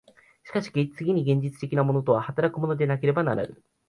しかし次に現実的なものとは働くものでなければならぬ。